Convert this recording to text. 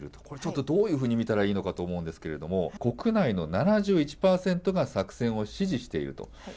これちょっとどういうふうに見たらいいのかと思うんですけれども、国内の７１％が作戦を支持していると。